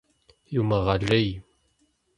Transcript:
Иумыгъэлей!